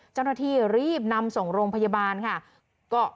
เจ้าหน้าที่รีบนำส่งโรงพยาบาลค่ะ